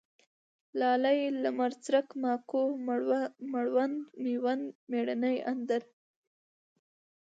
لالی ، لمرڅرک ، ماکو ، مړوند ، مېوند ، مېړنی، اندړ